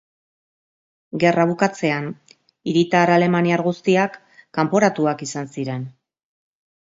Gerra bukatzean hiritar alemaniar guztiak kanporatuak izan ziren.